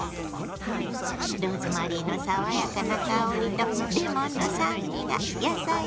ローズマリーの爽やかな香りとレモンの酸味が野菜に合うわ。